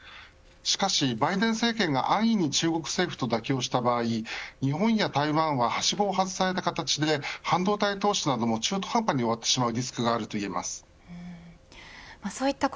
しかし、バイデン政権が安易に中国政府と妥協した場合日本や台湾ははしごを外された形で半導体投資なども中途半端に終わってしまう